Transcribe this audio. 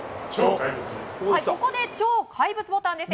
ここで超怪物ボタンです。